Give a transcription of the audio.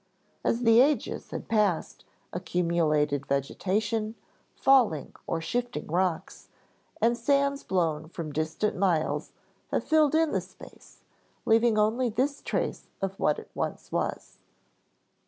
As the ages had passed accumulated vegetation, falling or shifting rocks, and sands blown from distant miles have filled in the space leaving only this trace of what it once was.